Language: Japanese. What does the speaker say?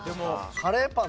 カレーパン？